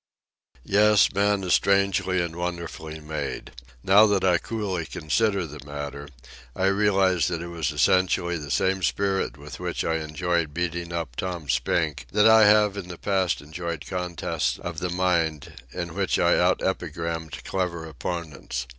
Yes, man is strangely and wonderfully made. Now that I coolly consider the matter, I realize that it was essentially the same spirit with which I enjoyed beating up Tom Spink, that I have in the past enjoyed contests of the mind in which I have out epigrammed clever opponents.